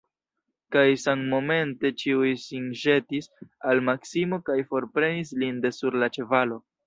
Kaj sammomente ĉiuj sin ĵetis al Maksimo kaj forprenis lin de sur la ĉevalo.